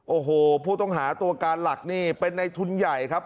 โอ้โหผู้ต้องหาตัวการหลักนี่เป็นในทุนใหญ่ครับ